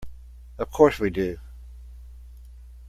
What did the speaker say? Of course we do.